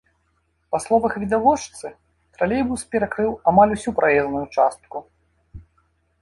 Па словах відавочцы, тралейбус перакрыў амаль усю праезную частку.